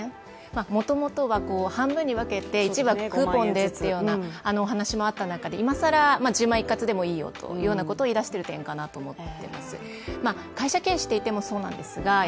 元々は半分に分けてクーポンというようなお話もあった中で今更１０万１括でもいいよというようなことを言い出してる点かなと思って。